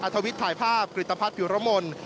อธวิตถ่ายภาพกฤตภัษฐ์ผิวรมล